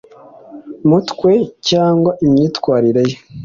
mutwe cyangwa imyitwarire ye